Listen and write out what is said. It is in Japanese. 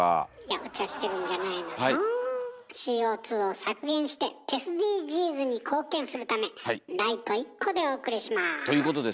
ＣＯを削減してＳＤＧｓに貢献するためライト１個でお送りします。